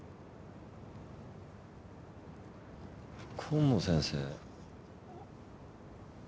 紺野先生。